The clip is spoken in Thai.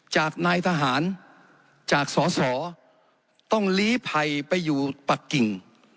จากนายทหารจากสอสอต้องลีภัยไปอยู่ปักกิ่ง